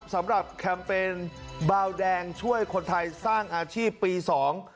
แคมเปญบาวแดงช่วยคนไทยสร้างอาชีพปีสอง